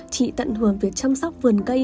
chị tận hưởng việc chăm sóc vườn cây